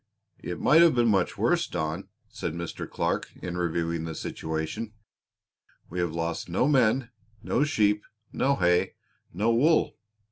"It might have been much worse, Don," said Mr. Clark in reviewing the situation. "We have lost no men, no sheep, no hay, no wool.